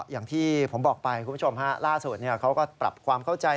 อย่างที่ผมบอกไปคุณผู้ชมฮะล่าสุดเขาก็ปรับความเข้าใจ